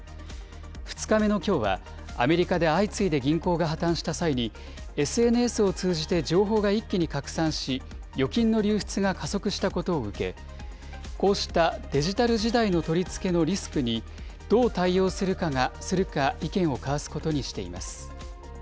２日目のきょうは、アメリカで相次いで銀行が破綻した際に、ＳＮＳを通じて情報が一気に拡散し、預金の流出が加速したことを受け、こうしたデジタル時代の取り付けのリスクにどう対応するか意見を交わすことにしています。